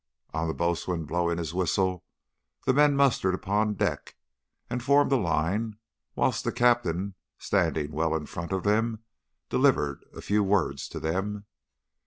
On the boatswain blowing his whistle the men mustered upon deck and formed line, whilst the captain, standing well in front of them, delivered a few words to them.